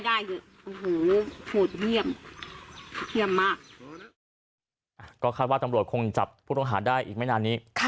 สาธุอ่าไปเรื่อยสิ่งศักดิ์สิทธิ์อืมสิ่งศักดิ์สิทธิ์อ่า